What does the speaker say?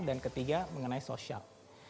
dan ketiga mengenai sosial